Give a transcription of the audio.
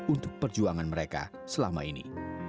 untuk perjuangan mereka selama ini